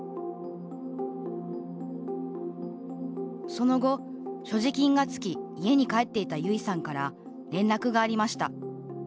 その後、所持金が尽き家に帰っていた、ゆいさんから連絡がありました。